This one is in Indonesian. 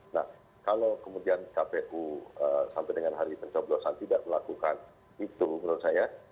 nah kalau kemudian kpu sampai dengan hari pencoblosan tidak melakukan itu menurut saya